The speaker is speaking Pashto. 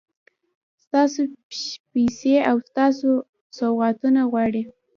ستاسو پیسې او ستاسو سوغاتونه غواړي.